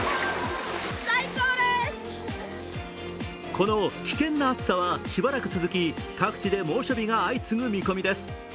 この危険な暑さはしばらく続き、各地で猛暑日が相次ぐ見込みです。